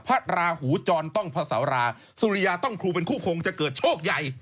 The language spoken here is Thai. พระราหูจรต้องพระสาราสุริยาต้องครูเป็นคู่คงจะเกิดโชคใหญ่